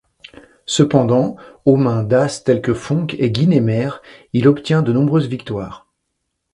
Cependant, aux mains d'as tels que Fonck et Guynemer, il obtient de nombreuses victoires.